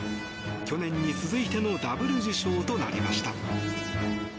去年に続いてのダブル受賞となりました。